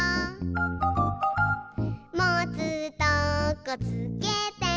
「もつとこつけて」